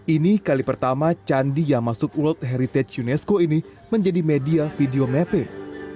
ini kali pertama candi yang masuk world heritage unesco ini menjadi media video mapping